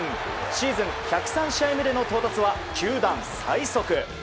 シーズン１０３試合目での到達は球団最速。